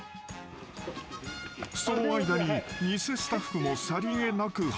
［その間に偽スタッフもさりげなく離れる］